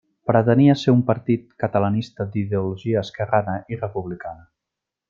Pretenia ser un partit catalanista d'ideologia esquerrana i republicana.